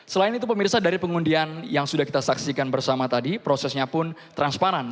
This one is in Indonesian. selain itu pemirsa dari pengundian yang sudah kita saksikan bersama tadi prosesnya pun transparan